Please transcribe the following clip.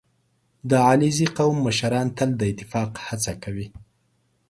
• د علیزي قوم مشران تل د اتفاق هڅه کوي.